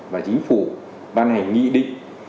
và chính phủ ban hành nghị định